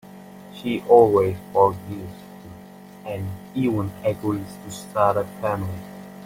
She always forgives him and even agrees to start a family.